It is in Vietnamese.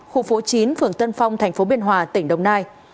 khu phố chín phường tân phong tp biên hòa tỉnh đồng nai